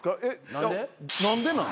何でなん？